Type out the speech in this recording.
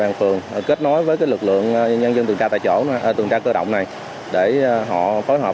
bàn phường kết nối với cái lực lượng nhân dân tuần tra tại chỗ tuần tra cơ động này để họ phối hợp